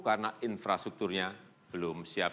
karena infrastrukturnya belum siap